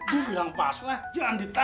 lo bilang pasrah jangan ditahan